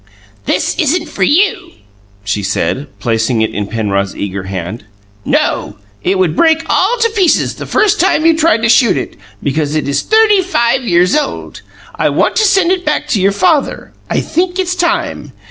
"This isn't for you," she said, placing it in Penrod's eager hand. "No. It would break all to pieces the first time you tried to shoot it, because it is thirty five years old. I want to send it back to your father. I think it's time.